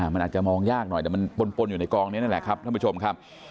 มันอาจจะมองยากหน่อยแต่มันปนอยู่ในกองนี้นั่นแหละครับท่านผู้ชมครับ